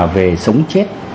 về sống chết